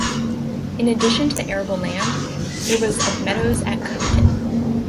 In addition to the arable land, there was of meadows at Conington.